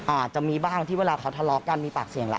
อาจจะมีบ้างที่เวลาเขาทะเลาะกันมีปากเสียงละ